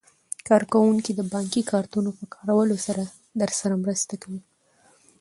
کارکوونکي د بانکي کارتونو په کارولو کې درسره مرسته کوي.